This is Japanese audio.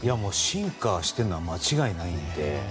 進化しているのは間違いないので。